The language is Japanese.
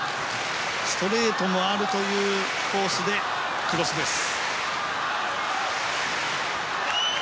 ストレートもあるというコースでクロスです。